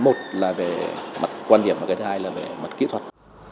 một là về mặt quan điểm và cái thứ hai là về mặt kỹ thuật